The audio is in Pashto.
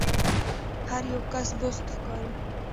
هر یو کس بوخت ښکاري.